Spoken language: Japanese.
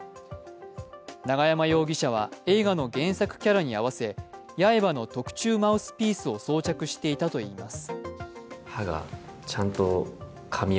永山容疑者は、映画の原作キャラに合わせ、八重歯の特注マウスピースを装着していたといいます。